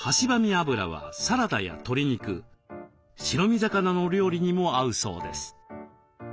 油はサラダや鶏肉白身魚の料理にも合うそうです。